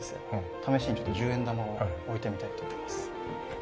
試しにちょっと１０円玉を置いてみたいと思います。